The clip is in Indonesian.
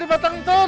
aku mau ke kantor